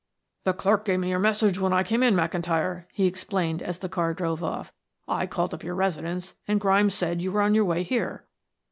"The clerk gave me your message when I came in, McIntyre," he explained as the car drove off. "I called up your residence and Grimes said you were on the way here."